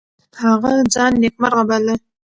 هغه ځان نیکمرغه باله.